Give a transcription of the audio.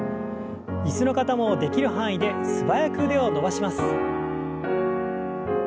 椅子の方もできる範囲で素早く腕を伸ばします。